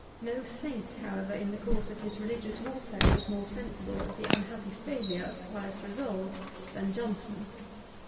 No saint, however, in the course of his religious warfare, was more sensible of the unhappy failure of pious resolves, than Johnson.